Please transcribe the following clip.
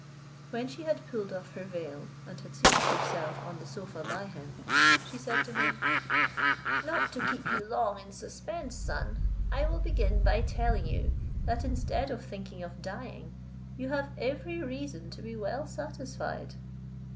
When she had pulled off her veil, and had seated herself on the sofa by him, she said to him, "Not to keep you long in suspense, son, I will begin by telling you, that instead of thinking of dying, you have every reason to be well satisfied."